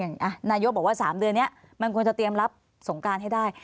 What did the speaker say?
นายกบอกว่า๓เดือนนี้มันควรจะเตรียมรับสงการให้ได้